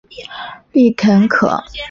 丽肯可